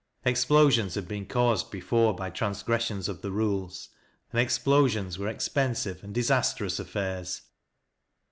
Explosions had been caused before by transgressions of the rules, and explosions were expensive and disastrous affairs.